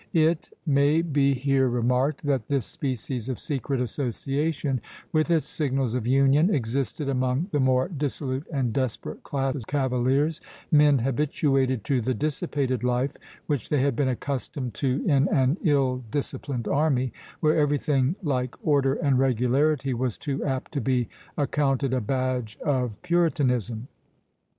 It, may be here remarked, that this species of secret association, with its signals of union, existed among the more dissolute and desperate class of cavaliers, men habituated to the dissipated life which they had been accustomed to in an ill disciplined army, where everything like order and regularity was too apt to be accounted a badge of puritanism.